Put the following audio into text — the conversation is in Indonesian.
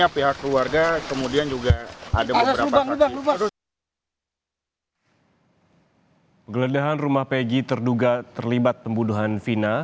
penggeledahan rumah peggy terduga terlibat pembunuhan vina